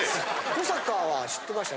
古坂は知ってました？